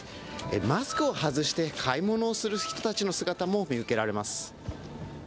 マスクを外して買い物をする人たちの姿も見受けられます。